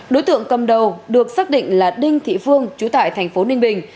đối tượng cầm đầu được xác định là đinh thị phương trú tại thành phố ninh bình